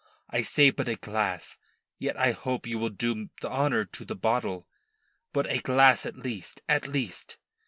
I say but a glass, yet I hope you will do honour to the bottle. But a glass at least, at least!"